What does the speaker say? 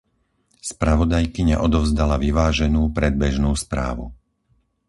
Spravodajkyňa odovzdala vyváženú predbežnú správu.